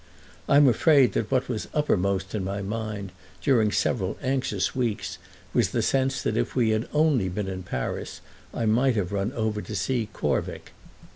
I'm afraid that what was uppermost in my mind during several anxious weeks was the sense that if we had only been in Paris I might have run over to see Corvick.